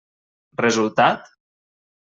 Resultat?